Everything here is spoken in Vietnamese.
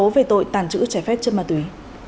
nói về tội tàn trữ trẻ phép chân ma túy